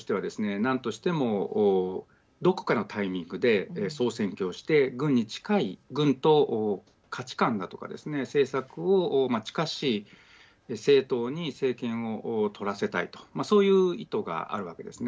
何としてもどこかのタイミングで総選挙をして、軍に近い軍と価値観がとかですね、政策をまあ近しい政党に政権を取らせたいとそういう意図があるわけですね。